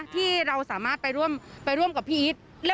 ที่เราสามารถไปร่วมไปร่วมกับพี่อิช